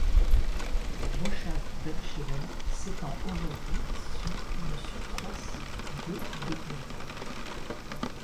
Le moshav Ben-Shemen s'étend aujourd'hui sur une surface de de terres.